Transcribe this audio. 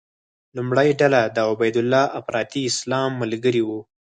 لومړۍ ډله د عبیدالله افراطي اسلام ملګري وو.